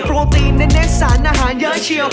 โปรตีนแน่นแสนอาหารเยอะเชี่ยว